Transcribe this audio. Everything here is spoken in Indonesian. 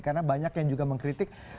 karena banyak yang juga mengkritik